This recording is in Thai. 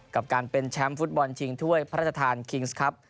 กับการเป็นแชมป์ฟุตบอลชิงถ้วยพระราชทานคิงส์ครับ